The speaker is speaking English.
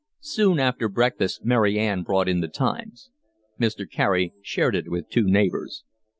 Soon after breakfast Mary Ann brought in The Times. Mr. Carey shared it with two neighbours.